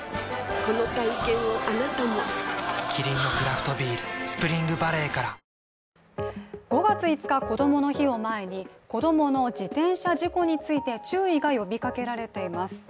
この体験をあなたもキリンのクラフトビール「スプリングバレー」から５月５日、こどもの日を前に子供の自転車事故について注意が呼びかけられています。